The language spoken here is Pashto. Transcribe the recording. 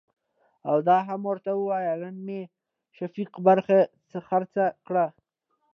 او دا هم ورته وايه نن مې شفيق برخه خرڅه کړه .